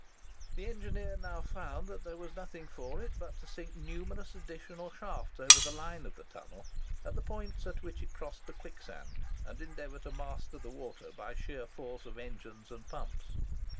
The engineer now found that there was nothing for it but to sink numerous additional shafts over the line of the tunnel at the points at which it crossed the quicksand, and endeavour to master the water by sheer force of engines and pumps.